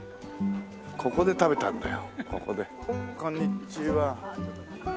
ここで食べたんだよ。